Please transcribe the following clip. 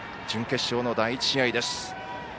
準決勝の第１試合です。